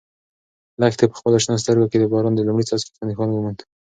لښتې په خپلو شنه سترګو کې د باران د لومړي څاڅکي نښان وموند.